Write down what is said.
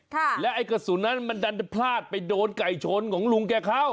และไอ้กระสุนนั้นมันดันพลาดไปโดนไก่ชนของลุงแกเข้า